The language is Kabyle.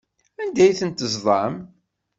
Anda ay ten-teẓḍam?